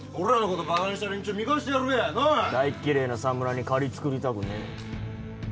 大っ嫌えな侍に借り作りたくねえ。